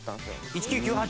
１９９８？